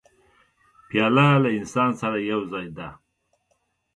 پیاله له انسان سره یو ځای ده.